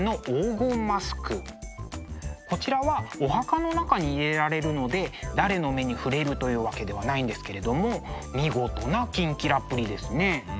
こちらはお墓の中に入れられるので誰の目に触れるというわけではないんですけれども見事なキンキラっぷりですね。